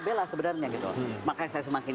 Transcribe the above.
bela sebenarnya gitu makanya saya semakin